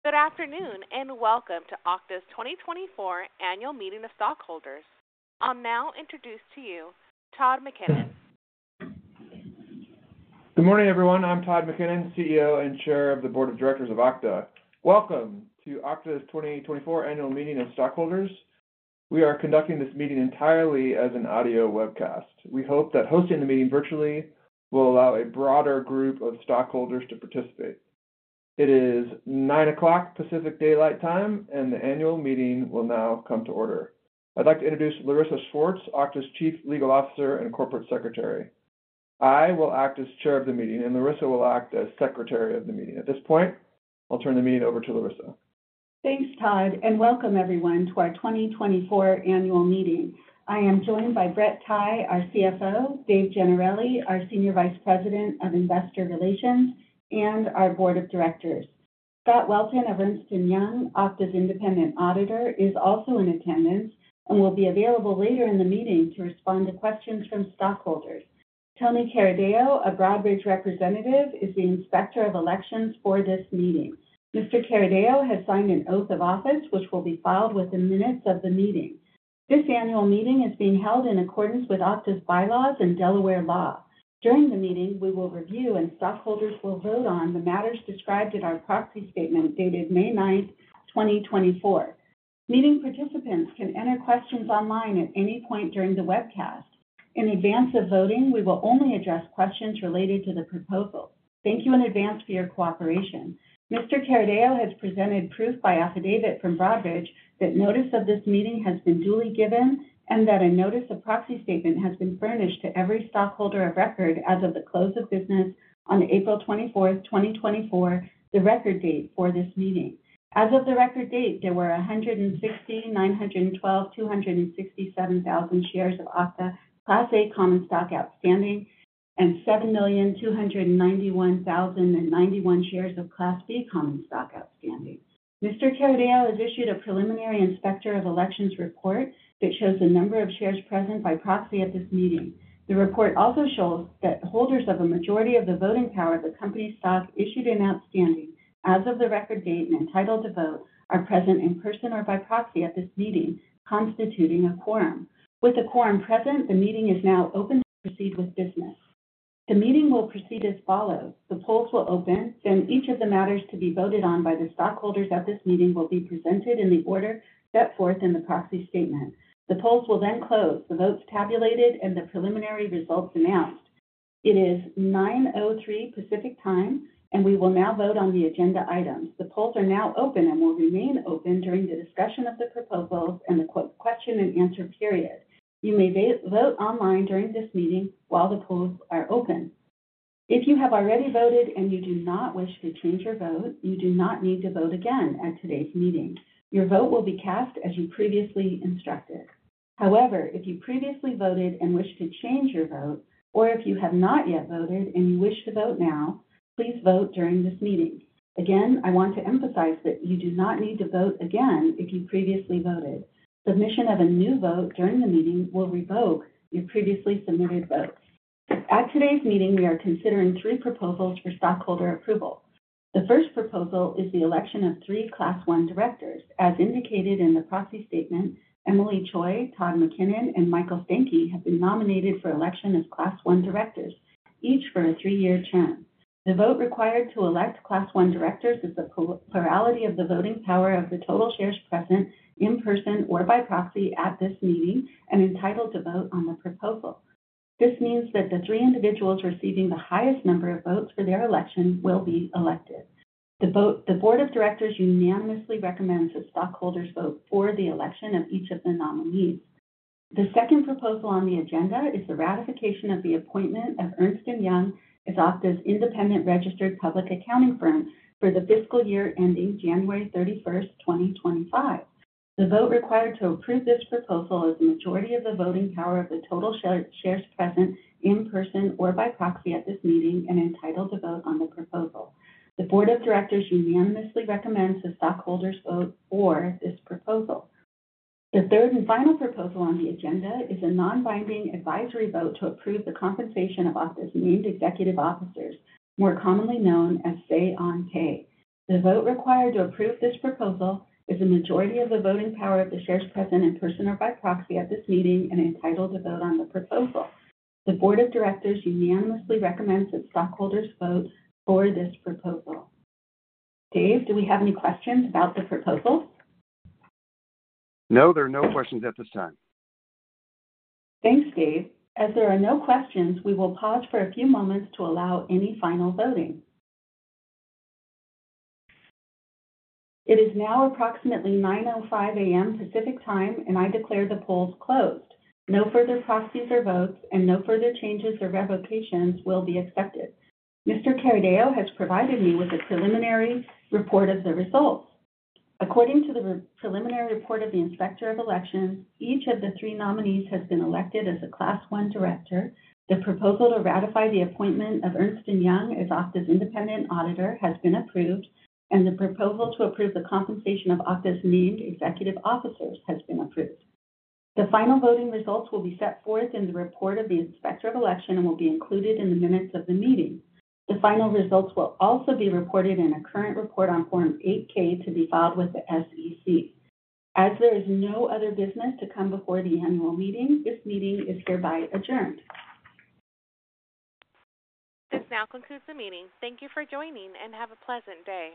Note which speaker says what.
Speaker 1: Good afternoon, and welcome to Okta's 2024 Annual Meeting of Stockholders. I'll now introduce to you Todd McKinnon.
Speaker 2: Good morning, everyone. I'm Todd McKinnon, CEO and Chair of the Board of Directors of Okta. Welcome to Okta's 2024 Annual Meeting of Stockholders. We are conducting this meeting entirely as an audio webcast. We hope that hosting the meeting virtually will allow a broader group of stockholders to participate. It is 9:00 Pacific Daylight Time, and the annual meeting will now come to order. I'd like to introduce Larissa Schwartz, Okta's Chief Legal Officer and Corporate Secretary. I will act as Chair of the meeting, and Larissa will act as Secretary of the meeting. At this point, I'll turn the meeting over to Larissa.
Speaker 3: Thanks, Todd, and welcome everyone to our 2024 annual meeting. I am joined by Brett Tighe, our CFO, Dave Gennarelli, our Senior Vice President of Investor Relations, and our Board of Directors. Scott Welton of Ernst & Young, Okta's independent auditor, is also in attendance and will be available later in the meeting to respond to questions from stockholders. Tony Carideo, a Broadridge representative, is the Inspector of Elections for this meeting. Mr. Carideo has signed an oath of office, which will be filed with the minutes of the meeting. This annual meeting is being held in accordance with Okta's bylaws and Delaware law. During the meeting, we will review and stockholders will vote on the matters described in our proxy statement dated May 9, 2024. Meeting participants can enter questions online at any point during the webcast. In advance of voting, we will only address questions related to the proposal. Thank you in advance for your cooperation. Mr. Carideo has presented proof by affidavit from Broadridge that notice of this meeting has been duly given and that a notice of proxy statement has been furnished to every stockholder of record as of the close of business on April 24, 2024, the record date for this meeting. As of the record date, there were 169,112,267 shares of Okta Class A common stock outstanding, and 7,291,091 shares of Class B common stock outstanding. Mr. Carideo has issued a preliminary Inspector of Elections report that shows the number of shares present by proxy at this meeting. The report also shows that holders of a majority of the voting power of the company's stock issued and outstanding as of the record date and entitled to vote, are present in person or by proxy at this meeting, constituting a quorum. With the quorum present, the meeting is now open to proceed with business. The meeting will proceed as follows: The polls will open, then each of the matters to be voted on by the stockholders at this meeting will be presented in the order set forth in the proxy statement. The polls will then close, the votes tabulated, and the preliminary results announced. It is 9:03 A.M. Pacific Time, and we will now vote on the agenda items. The polls are now open and will remain open during the discussion of the proposals and the question and answer period. You may vote online during this meeting while the polls are open. If you have already voted and you do not wish to change your vote, you do not need to vote again at today's meeting. Your vote will be cast as you previously instructed. However, if you previously voted and wish to change your vote, or if you have not yet voted and you wish to vote now, please vote during this meeting. Again, I want to emphasize that you do not need to vote again if you previously voted. Submission of a new vote during the meeting will revoke your previously submitted vote. At today's meeting, we are considering three proposals for stockholder approval. The first proposal is the election of three Class I directors. As indicated in the proxy statement, Emilie Choi, Todd McKinnon, and Michael Stankey have been nominated for election as Class I directors, each for a three-year term. The vote required to elect Class I directors is the plurality of the voting power of the total shares present in person or by proxy at this meeting and entitled to vote on the proposal. This means that the three individuals receiving the highest number of votes for their election will be elected. The Board of Directors unanimously recommends that stockholders vote for the election of each of the nominees. The second proposal on the agenda is the ratification of the appointment of Ernst & Young as Okta's independent registered public accounting firm for the fiscal year ending January 31, 2025. The vote required to approve this proposal is a majority of the voting power of the total shares present in person or by proxy at this meeting and entitled to vote on the proposal. The Board of Directors unanimously recommends that stockholders vote for this proposal. The third and final proposal on the agenda is a non-binding advisory vote to approve the compensation of Okta's named executive officers, more commonly known as say-on-pay. The vote required to approve this proposal is a majority of the voting power of the shares present in person or by proxy at this meeting and entitled to vote on the proposal. The Board of Directors unanimously recommends that stockholders vote for this proposal. Dave, do we have any questions about the proposal?
Speaker 4: No, there are no questions at this time.
Speaker 3: Thanks, Dave. As there are no questions, we will pause for a few moments to allow any final voting. It is now approximately 9 A.M. Pacific Time, and I declare the polls closed. No further proxies or votes and no further changes or revocations will be accepted. Mr. Carideo has provided me with a preliminary report of the results. According to the preliminary report of the Inspector of Elections, each of the three nominees has been elected as a Class I director. The proposal to ratify the appointment of Ernst & Young as Okta's independent auditor has been approved, and the proposal to approve the compensation of Okta's named executive officers has been approved. The final voting results will be set forth in the report of the Inspector of Election and will be included in the minutes of the meeting. The final results will also be reported in a current report on Form 8-K to be filed with the SEC. As there is no other business to come before the annual meeting, this meeting is hereby adjourned.
Speaker 1: This now concludes the meeting. Thank you for joining, and have a pleasant day.